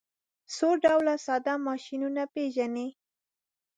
څو ډوله ساده ماشینونه پیژنئ.